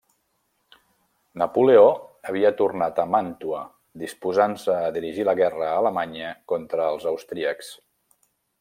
Napoleó havia tornat a Màntua, disposant-se a dirigir la guerra a Alemanya contra els austríacs.